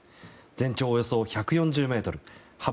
全長およそ１４０ｍ幅